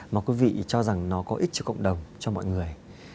mà quý vị cho rằng nó có ích cho cộng đồng cho mọi người